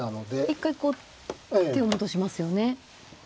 一回こう手を戻しますよね。